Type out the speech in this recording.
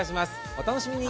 お楽しみに。